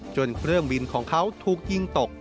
เครื่องบินของเขาถูกยิงตก